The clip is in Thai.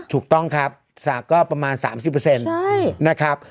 ถูกต้องครับก็ประมาณ๓๐ใช่